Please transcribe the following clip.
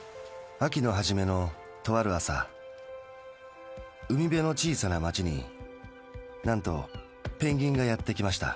秋のはじめのとある朝海辺の小さな町になんとペンギンがやってきました。